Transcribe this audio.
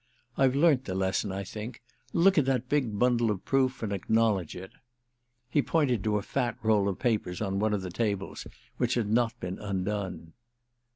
I've learnt the lesson, I think; look at that big bundle of proof and acknowledge it." He pointed to a fat roll of papers, on one of the tables, which had not been undone.